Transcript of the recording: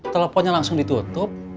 teleponnya langsung ditutup